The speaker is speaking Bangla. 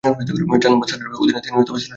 চার নম্বর সেক্টরের অধীনে তিনি সিলেটে যুদ্ধ করেন।